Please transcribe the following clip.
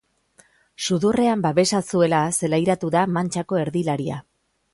Sudurrean babesa zuela zelairatu da mantxako erdilaria.